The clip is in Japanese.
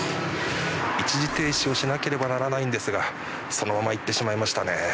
一時停止をしなければならないんですがそのまま行ってしまいましたね。